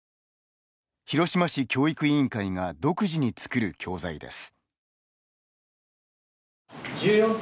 広島市教育委員会が独自に作る教材です。